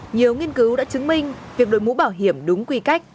nhiều nghiên cứu đã chứng minh việc đổi mũ bảo hiểm đúng quy cách